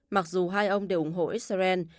mặc dù hai ông đều ủng hộ israel